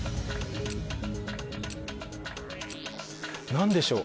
何でしょう？